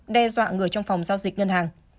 đe dọa người trong phòng giao dịch ngân hàng